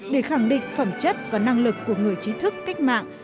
để khẳng định phẩm chất và năng lực của người trí thức cách mạng